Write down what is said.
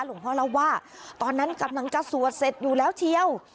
พ่อเล่าว่าตอนนั้นกำลังจะสวดเสร็จอยู่แล้วเชียว